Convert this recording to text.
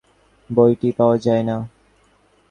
সাধারণত যে-বইটি খোঁজা হয়, সে বইটিই পাওয়া যায় না।